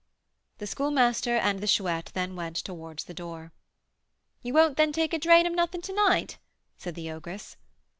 The Schoolmaster and the Chouette then went towards the door. "You won't, then, take a 'drain' of nothin' to night?" said the ogress.